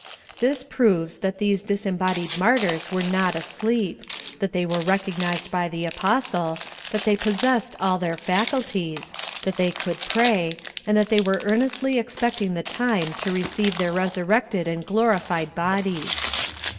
This proves that these disembodied martyrs were not asleep ; that they were recognized by the Apostle ; that they possessed all their faculties ; that they could pray ; and that they were earnestly ex pecting the time to receive their resurrected and glori fied bodies.